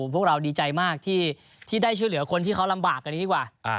พวกเราดีใจมากที่ได้ช่วยเหลือคนที่เขาลำบากกันดีกว่า